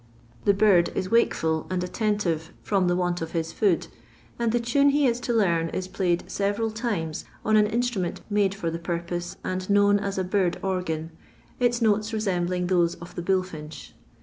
The bird is wake ful and attentife from the want of his food, and the tone he is to learn is pkyed several times on an instrament made for the purpose, and known as a bird organ, its notes resembling those of the biUfineh.